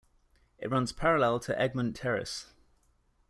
It runs parallel to Egmont Terrace.